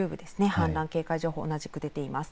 氾濫警戒情報、同じく出ています。